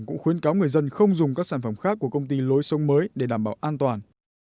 cũng khuyến cáo người dân không dùng các sản phẩm khác của công ty lối sống mới để đảm bảo an toàn